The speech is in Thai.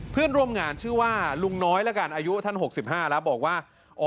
เพื่อนร่วมงานชื่อว่าลุงน้อยแล้วกันอายุท่าน๖๕แล้วบอกว่า